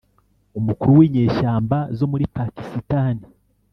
umukuru w’inyeshamba zo muri Pakisitani